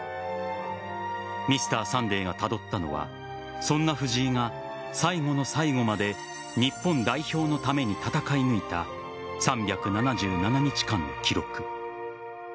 「Ｍｒ．サンデー」がたどったのは、そんな藤井が最後の最後まで日本代表のために闘い抜いた３７７日間の記録。